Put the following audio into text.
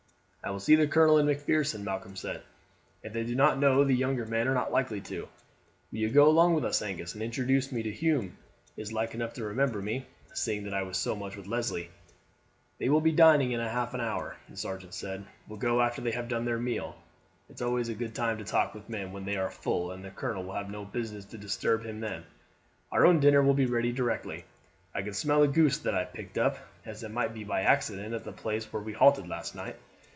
"I will see the colonel and Macpherson," Malcolm said; "if they do not know, the younger men are not likely to. Will you go along with us, Angus, and introduce me, though Hume is like enough to remember me, seeing that I was so much with Leslie?" "They will be dining in half an hour," the sergeant said; "we'll go after they have done the meal. It's always a good time to talk with men when they are full, and the colonel will have no business to disturb him then. Our own dinner will be ready directly; I can smell a goose that I picked up, as it might be by accident, at the place where we halted last night.